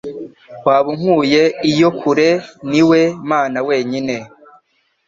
Waba unkuye iyo kure ni we Mana wenyine